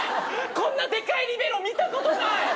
こんなでかいリベロ見たことない。